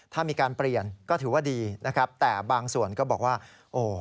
ถ้ามีการเปลี่ยนก็ถือว่าดีนะครับแต่บางส่วนก็บอกว่าโอ้